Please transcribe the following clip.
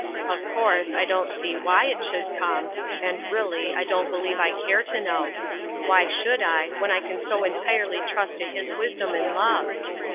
Of course I don't see why it should come, and really, I don't believe I care to know. Why bhould I, when I can so entirely trust to His wisdom and love?